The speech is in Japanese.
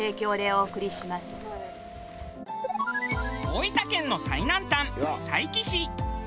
大分県の最南端佐伯市。